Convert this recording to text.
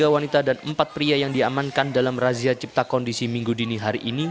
tiga wanita dan empat pria yang diamankan dalam razia cipta kondisi minggu dini hari ini